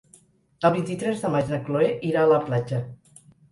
El vint-i-tres de maig na Chloé irà a la platja.